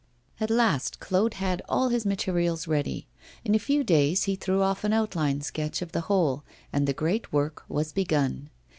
At last Claude had all his materials ready. In a few days he threw off an outline sketch of the whole, and the great work was begun.